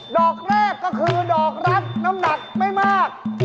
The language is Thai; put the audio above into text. ดอกแรกก็คือดอกรักน้ำหนักไม่มาก